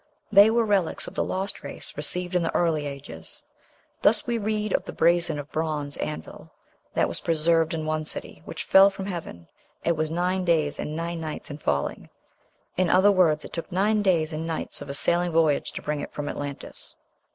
They were relics of the lost race received in the early ages. Thus we read of the brazen or bronze anvil that was preserved in one city, which fell from heaven, and was nine days and nine nights in falling; in other words, it took nine days and nights of a sailing voyage to bring it from Atlantis.